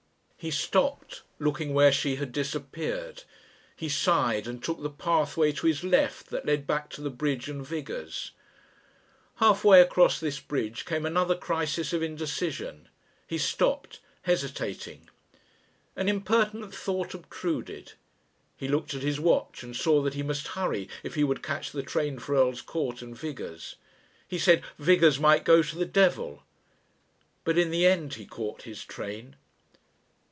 He stopped, looking where she had disappeared. He sighed and took the pathway to his left that led back to the bridge and Vigours'. Halfway across this bridge came another crisis of indecision. He stopped, hesitating. An impertinent thought obtruded. He looked at his watch and saw that he must hurry if he would catch the train for Earl's Court and Vigours'. He said Vigours' might go to the devil. But in the end he caught his train.